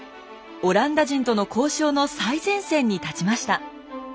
オランダ人との交渉の最前線に立ちました。